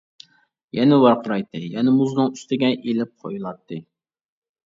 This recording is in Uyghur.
يەنە ۋارقىرايتتى، يەنە مۇزنىڭ ئۈستىگە ئېلىپ قويۇلاتتى.